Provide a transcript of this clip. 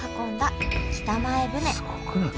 すごくない？